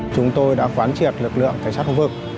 chúng tôi đã khoán triệt lực lượng tài sát khu vực